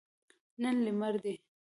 نن لمر دی